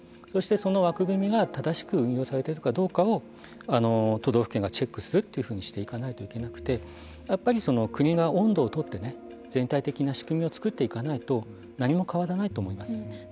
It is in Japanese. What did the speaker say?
そして、その枠組みが正しく運用されているかどうかを都道府県がチェックするというふうにしていかなきゃいけなくてやっぱり国が音頭をとって全体的な仕組みを作っていかないと何も変わらないと思います。